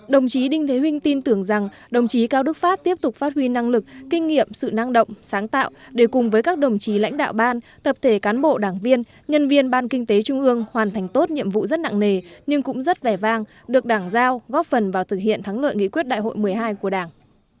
đồng chí đinh thế vinh tin tưởng rằng đồng chí cao đức pháp tiếp tục phát huy năng lực kinh nghiệm sự năng động sáng tạo để cùng với các đồng chí lãnh đạo ban tập thể cán bộ đảng viên nhân viên ban kinh tế trung ương hoàn thành tốt nhiệm vụ rất nặng nề nhưng cũng rất vẻ vang được đảng giao góp phần vào thực hiện thắng lợi nghị quyết đại hội một mươi hai của đảng